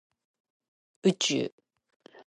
宇宙